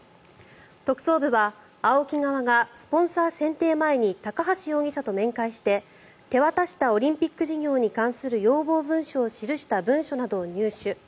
特捜部はＡＯＫＩ側がスポンサー選定前に高橋容疑者と面会して手渡したオリンピック事業に関する要望事項を記した文書などを入手。